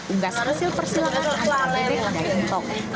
unggas kecil persilakan anak anak perempuan dari intok